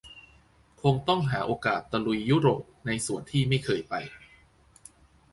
คงต้องหาโอกาสตะลุยยุโรปในส่วนที่ไม่เคยไป